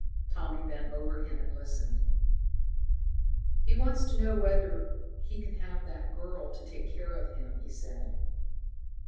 Tommy bent over him and listened. "He wants to know whether he can have that girl to take care of him," he said.